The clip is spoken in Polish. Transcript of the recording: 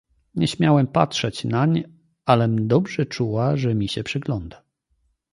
"Nie śmiałam patrzeć nań, alem dobrze czuła, że mi się przygląda."